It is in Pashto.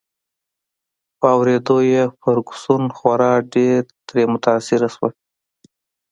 په اوریدو یې فرګوسن خورا ډېر ترې متاثره شوه.